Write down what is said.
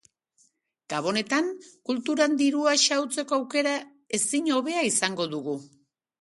Gabonetan kulturan dirua xahutzeko aukera ezin hobea izango dugu.